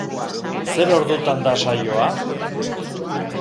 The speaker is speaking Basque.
Zer ordutan da saioa?